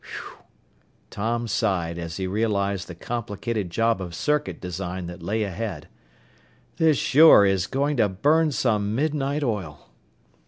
"Whew!" Tom sighed as he realized the complicated job of circuit design that lay ahead. "This sure is going to burn some midnight oil!"